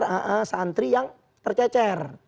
laskar santri yang tercecer